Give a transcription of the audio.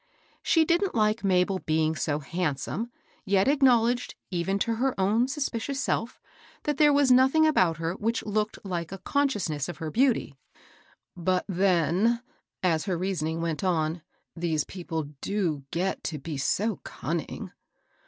She didn't like Mabel being so handsome, yet acknowledged, even to her own suspicious self, that there was nothing about her which looked like a conscious ness of her beauty ;" but then," — as her reason ing went on, —" these people do get to be so cun ning."